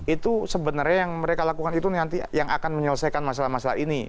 itu sebenarnya yang mereka lakukan itu nanti yang akan menyelesaikan masalah masalah ini